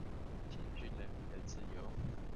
限制人民的自由